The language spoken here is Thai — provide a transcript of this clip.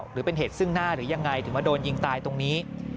หรือเป็นเหตุซึ่งหน้าหรือยังไงถึงมาโดนยิงตายตรงนี้